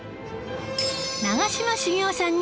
長嶋茂雄さんに